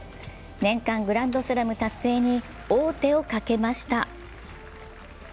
年間グランドスラム達成に王手をかけました。